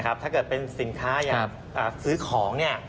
ถ้าเกิดเป็นสินค้าอย่างซื้อของเนี่ย